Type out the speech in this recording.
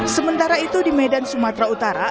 sementara itu di medan sumatera utara